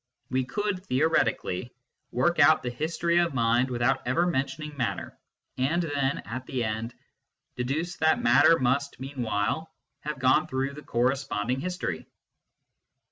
We could, theoretically, work out the history of mind without ever mentioning matter, and then, at the end, deduce that matter must meanwhile have gone through the corresponding history.